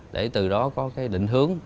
để từ đó có cái định hướng